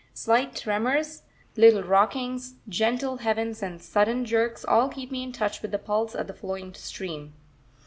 Slight tremors, little rockings, gentle heaves, and sudden jerks, all keep me in touch with the pulse of the flowing stream.